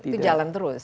itu jalan terus